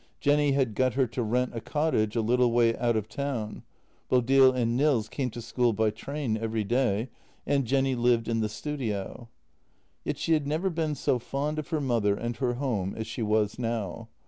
Jenny had got her to rent a cottage a little way out of town; Bodil and Nils came to school by train every day, and Jenny lived in the studio. Yet she had never been so fond of her mother and her home as she was now.